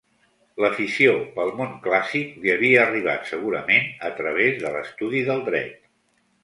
L’afició pel món clàssic li havia arribat segurament a través de l’estudi del dret.